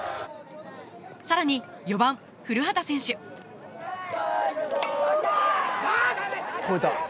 さらに４番・古畑選手越えた。